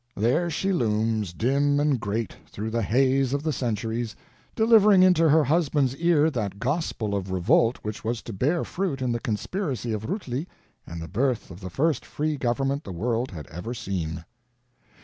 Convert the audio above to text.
There she looms dim and great, through the haze of the centuries, delivering into her husband's ear that gospel of revolt which was to bear fruit in the conspiracy of Rutli and the birth of the first free government the world had ever seen.